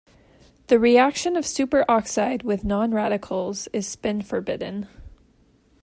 The reaction of superoxide with non-radicals is spin-forbidden.